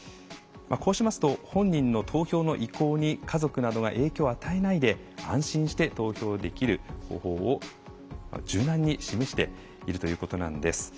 こうしますと本人の投票の意向に家族などが影響を与えないで安心して投票できる方法を柔軟に示しているということなんです。